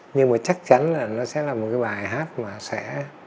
nhưng mà chắc chắn là nó sẽ là một cái bài hát mà sẽ